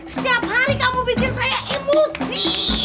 setiap hari kamu pikir saya emosi